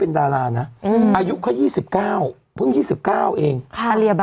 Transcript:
ตอนต่อไป